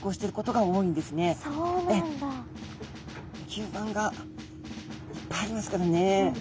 吸盤がいっぱいありますからね。